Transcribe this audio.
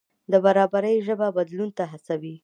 د برابرۍ ژبه بدلون ته هڅوي.